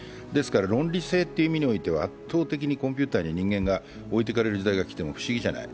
論理性という意味においてはコンピューターに人間が置いてかれる時代が来ても不思議じゃない。